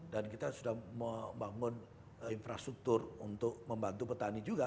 dan kita sudah membangun infrastruktur untuk membantu petani juga